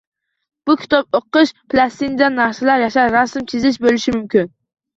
Bu kitob o‘qish, plastilindan narsalar yasash, rasm chizish bo‘lishi mumkin.